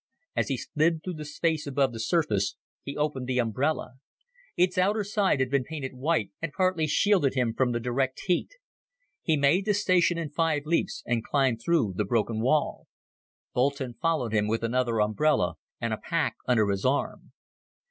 As he slid through the space above the surface, he opened the umbrella. Its outer side had been painted white, and partly shielded him from the direct heat. He made the station in five leaps and climbed through the broken wall. Boulton followed him with another umbrella and a pack under his arm.